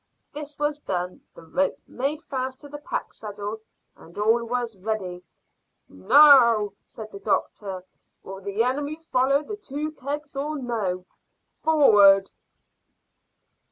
This was done, the rope made fast to the pack saddle, and all was ready. "Now," said the doctor, "will the enemy follow the two kegs or no? Forward!"